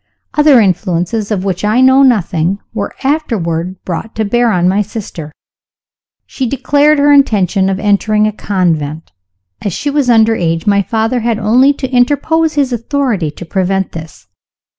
Other influences, of which I know nothing, were afterward brought to bear on my sister. She declared her intention of entering a convent. As she was under age, my father had only to interpose his authority to prevent this.